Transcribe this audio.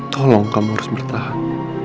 tolong kamu harus bertahan